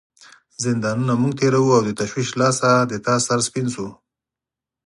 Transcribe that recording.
زندانونه موږ تیروو او تشویش له لاسه ستا سر سپین شوی.